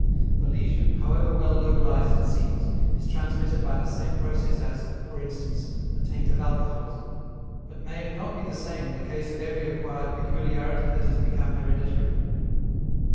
The lesion, however well localized it seems, is transmitted by the same process as, for instance, the taint of alcoholism. But may it not be the same in the case of every acquired peculiarity that has become hereditary?